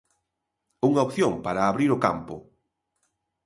Unha opción para abrir o campo.